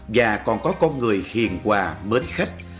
và còn có con người hiền quà mến khách